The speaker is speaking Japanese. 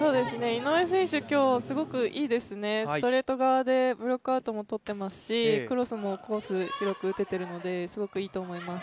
井上選手、今日すごくいいですね、ストレート側でブロックアウトもとっていますしクロスもコース、広く打てているので、すごくいいと思います。